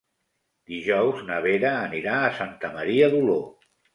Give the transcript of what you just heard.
Dijous na Vera anirà a Santa Maria d'Oló.